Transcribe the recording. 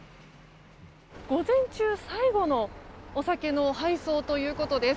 午前中最後のお酒の配送ということです。